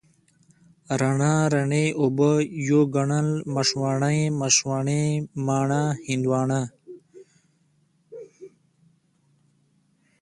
رڼا، رڼې اوبه، يو ګڼل، مشواڼۍ، مشواڼې، مڼه، هندواڼه،